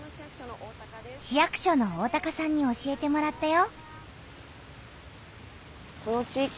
市役所の大さんに教えてもらったよ。